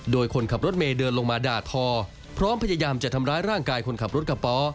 โดยคนขับรถเมย์เดินลงมาด่าทอพร้อมพยายามจะทำร้ายร่างกายคนขับรถกระป๋อ